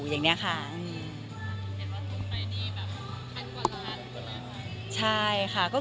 เห็นว่าสูงแต่ดีแบบแค่คนร้าน